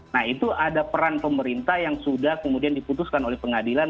nah itu ada peran pemerintah yang sudah kemudian diputuskan oleh pengadilan